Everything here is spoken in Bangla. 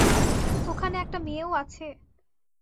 ওখানে একটা মেয়েও আছে?